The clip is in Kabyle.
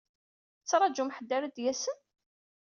Tettrajum ḥedd ara d-yasen?